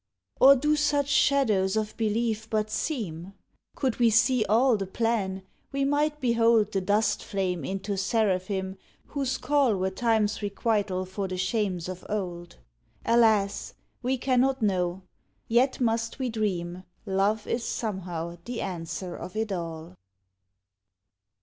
Or do such shadows of belief but seem? Could we see all the Plan, we might behold The dust flame into seraphim whose call Were Time s requital for the shames of old. Alas ! we cannot know ! Yet must we dream Love is somehow the answer of it all.